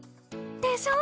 でしょ！